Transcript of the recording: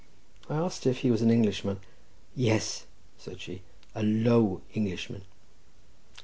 I asked if he was an Englishman. "Yes," said she, "a low Englishman."